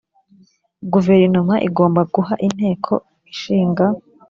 Guverinoma igomba guha Inteko Ishinga